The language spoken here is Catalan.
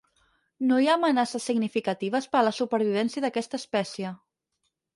No hi ha amenaces significatives per a la supervivència d'aquesta espècie.